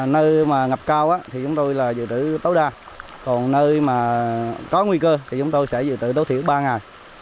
nơi mà ngập cao thì chúng tôi là dự trữ tối đa còn nơi mà có nguy cơ thì chúng tôi sẽ dự trữ tối thiểu ba ngày